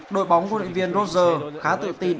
đội bóng của lợi viên roger khá tự tin